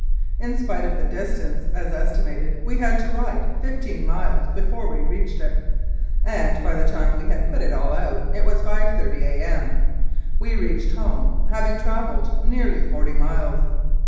In spite of the distance, as estimated, we had to ride fifteen miles before we reached it, and by the time we had put it all out it was 5.30 A.M. We reached home, having travelled nearly forty miles.